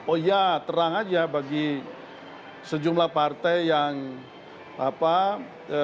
oh ya terang aja bagi sejumlah partai yang merasakan